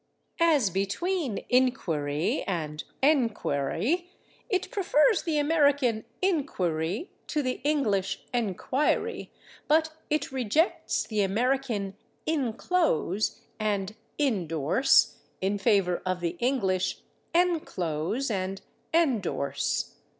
As between /inquiry/ and /enquiry/, it prefers the American /inquiry/ to the English /enquiry/, but it rejects the American /inclose/ and /indorse/ in favor of the English /enclose/ and /endorse